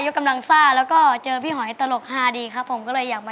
หล่อกว่าในทีวีอีกครับ